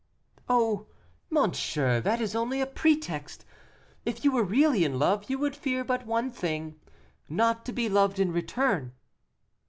"Oh! monsieur, that is only a pretext. If you were really in love, you would fear but one thing not to be loved in return."